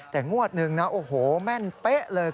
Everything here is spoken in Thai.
แต่งวดหนึ่งนะโอ้โหแม่นเป๊ะเลย